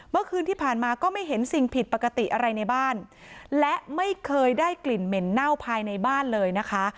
เมื่อคืนที่ผ่านมาก็ไม่เห็นสิ่งผิดปกติอะไรในบ้านและไม่เคยได้กลิ่นเหม็นเน่าภายในบ้านเลยนะคะ